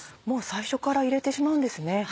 もう最初から入れてしまうんですね。